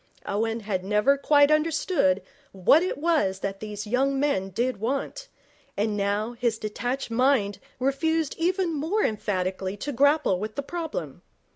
Owen had never quite understood what it was that these young men did want, and now his detached mind refused even more emphatically to grapple with the problem.